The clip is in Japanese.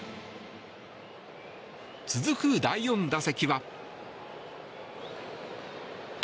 続く第４打席は。